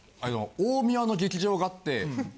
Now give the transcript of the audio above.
大宮の劇場があって。